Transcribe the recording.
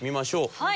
はい。